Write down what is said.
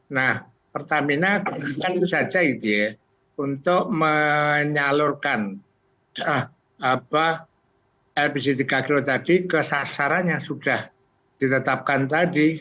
nah pertamina itu saja untuk menyalurkan lbc tiga kg tadi ke sasaran yang sudah ditetapkan tadi